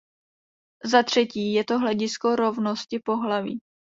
Zatřetí je to hledisko rovnosti pohlaví.